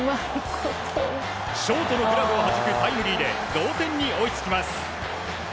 ショートのグラブをはじくタイムリーで同点に追いつきます。